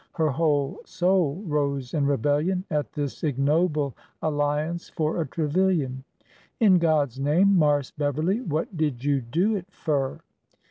Her whole soul rose in rebellion at this ignoble alliance for a Trevilian. '' In God's name, Marse Beverly, what did you do it fur?"